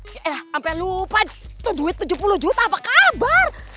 eh ya elah ampe lupa tuh duit tujuh puluh juta apa kabar